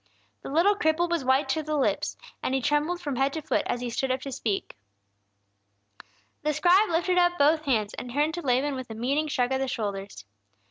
The little cripple was white to the lips, and he trembled from head to foot as he stood up to speak. The scribe lifted up both hands, and turned to Laban with a meaning shrug of the shoulders.